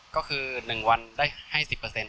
ก็คือ๑วันได้ให้๑๐